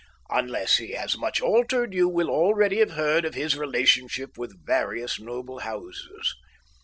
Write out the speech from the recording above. Unless he has much altered, you will already have heard of his relationship with various noble houses.